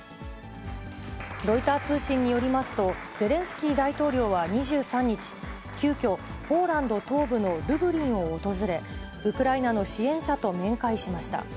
ロイター通信によりますと、ゼレンスキー大統領は２３日、急きょ、ポーランド東部のルブリンを訪れ、ウクライナの支援者と面会しました。